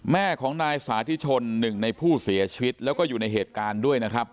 แม่ของนายสาธิชนหนึ่งในผู้เสียชีวิตแล้วก็อยู่ในเหตุการณ์ด้วยนะครับ